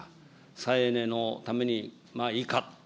再エネのためにまあいいか。